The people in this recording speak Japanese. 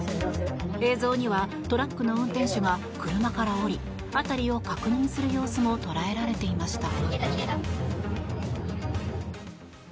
映像にはトラックの運転手が車から降り辺りを確認する様子も捉えられていました。